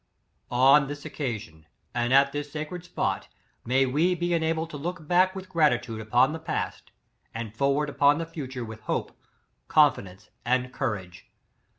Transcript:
'^ On this occasion, and at this sacred spot, may we be enabled to look back with gra titude upon the past, and forward upon the future with hope, confidence and courage.